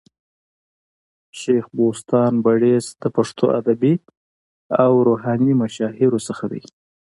شېخ بُستان بړیڅ د پښتو ادبي او روحاني مشاهيرو څخه دئ.